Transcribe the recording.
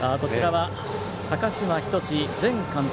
高嶋仁前監督。